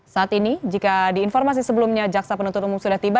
saat ini jika di informasi sebelumnya jaksa penuntut umum sudah tiba